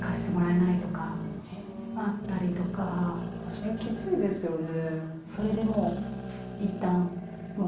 それきついですよね。